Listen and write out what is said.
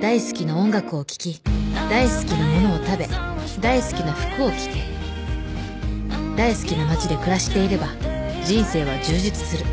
大好きな音楽を聴き大好きなものを食べ大好きな服を着て大好きな街で暮らしていれば人生は充実する。